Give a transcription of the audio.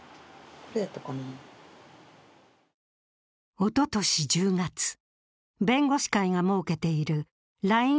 おととし１０月、弁護士会が設けているＬＩＮＥ